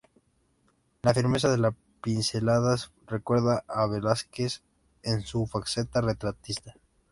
La firmeza de las pinceladas recuerda a Velázquez, en su faceta retratista.